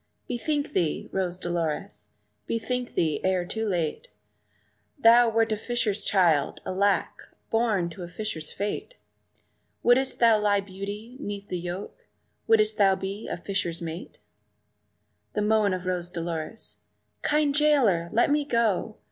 "Bethink thee, Rose Dolores, bethink thee, ere too late! Thou wert a fisher's child, alack, born to a fisher's fate; Would'st lay thy beauty 'neath the yoke would'st be a fisher's mate?" The moan of Rose Dolores "Kind jailer, let me go!